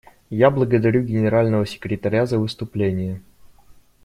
Я благодарю Генерального секретаря за выступление.